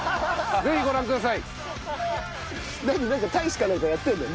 ぜひご覧ください。